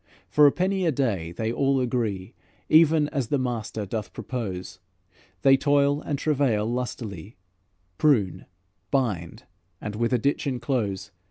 For a penny a day they all agree, Even as the master doth propose, They toil and travail lustily, Prune, bind, and with a ditch enclose.